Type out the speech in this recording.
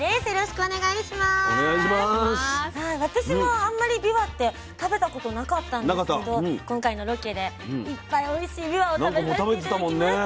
私もあんまりびわって食べたことなかったんですけど今回のロケでいっぱいおいしいびわを食べさせて頂きました。